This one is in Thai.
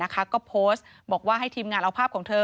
ก็โพสต์บอกว่าให้ทีมงานเอาภาพของเธอ